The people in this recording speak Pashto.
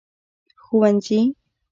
ښوونځي